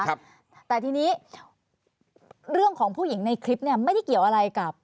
ครับแต่ทีนี้เรื่องของผู้หญิงในคลิปเนี่ยไม่ได้เกี่ยวอะไรกับ